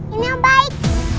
ini om baik